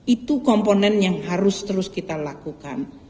itu komponen yang harus terus kita lakukan